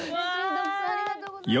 徳さんありがとうございます。